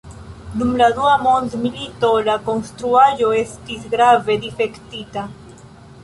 Dum la Dua Mondmilito la konstruaĵo estis grave difektita.